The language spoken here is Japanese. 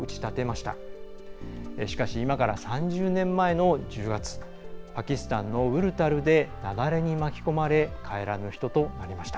しかし、今から３０年前の１０月パキスタンのウルタルで雪崩に巻き込まれ帰らぬ人となりました。